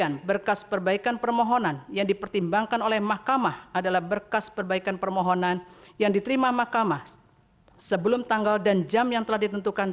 tentang perubahan pemerintahan